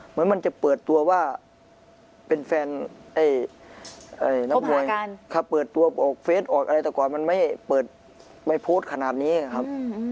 เหมือนมันจะเปิดตัวว่าเป็นแฟนนักมวยเขาเปิดตัวออกเฟสออกอะไรแต่ก่อนมันไม่เปิดไม่โพสต์ขนาดนี้ครับ